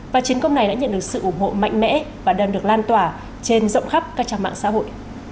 và chiến công này đã nhận được sự ủng hộ mạnh mẽ và đang được lan tỏa trên rộng khắp các trang mạng xã hội